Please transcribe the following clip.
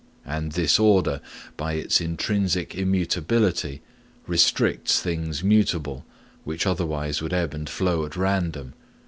And this order, by its intrinsic immutability, restricts things mutable which otherwise would ebb and flow at random.